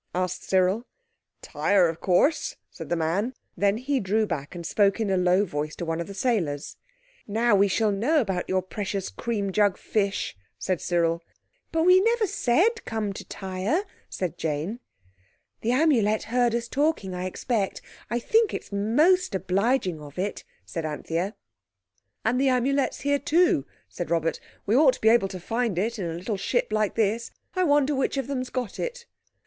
asked Cyril. "Tyre, of course," said the man. Then he drew back and spoke in a low voice to one of the sailors. "Now we shall know about your precious cream jug fish," said Cyril. "But we never said come to Tyre," said Jane. "The Amulet heard us talking, I expect. I think it's most obliging of it," said Anthea. "And the Amulet's here too," said Robert. "We ought to be able to find it in a little ship like this. I wonder which of them's got it."